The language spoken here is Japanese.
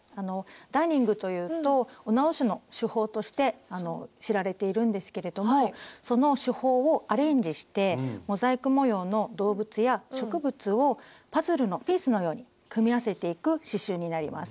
ダーニングというとお直しの手法として知られているんですけれどもその手法をアレンジしてモザイク模様の動物や植物をパズルのピースのように組み合わせていく刺しゅうになります。